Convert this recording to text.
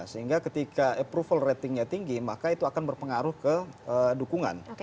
sehingga ketika approval ratingnya tinggi maka itu akan berpengaruh ke dukungan